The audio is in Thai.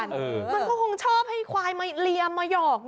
มันก็คงชอบให้ควายมาเลียมมาหยอก